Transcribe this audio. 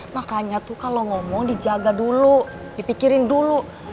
makanya tuh kalau ngomong dijaga dulu dipikirin dulu